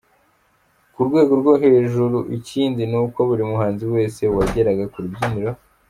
yo ku rwego rwo hejuru, ikindi ni uko buri muhanzi wese wageraga ku rubyiniro.